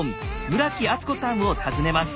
村木厚子さんを訪ねます。